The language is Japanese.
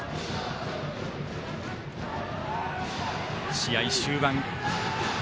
試合終盤。